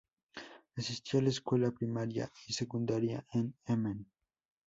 Asistió a la escuela primaria y secundaria en Emmen.